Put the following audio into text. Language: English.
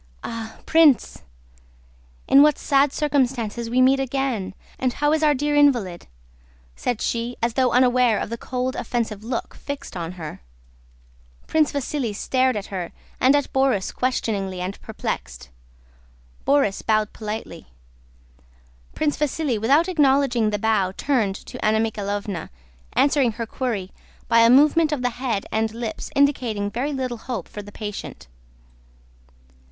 "Ah, Prince! In what sad circumstances we meet again! And how is our dear invalid?" said she, as though unaware of the cold offensive look fixed on her. Prince Vasíli stared at her and at Borís questioningly and perplexed. Borís bowed politely. Prince Vasíli without acknowledging the bow turned to Anna Mikháylovna, answering her query by a movement of the head and lips indicating very little hope for the patient.